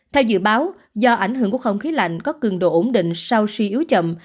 theo dự báo do ảnh hưởng của không khí lạnh có cường độ ổn định sau suy yếu chậm